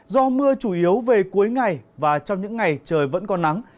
do mưa chủ yếu về cuối ngày và trong những ngày trời vẫn còn nắng